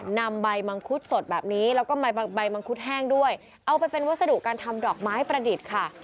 นำใบมังคุดสดแบบนี้แล้วก็ใบมังคุดแห้งด้วยเอาไปเป็นวัสดุการทำดอกไม้ประดิษฐ์ค่ะ